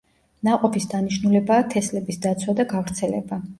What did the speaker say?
ნაყოფის დანიშნულებაა თესლების დაცვა და გავრცელება.